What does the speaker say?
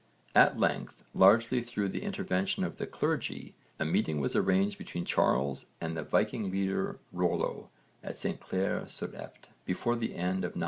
At length, largely through the intervention of the clergy, a meeting was arranged between Charles and the Viking leader Rollo at St Clair sur Epte, before the end of 911.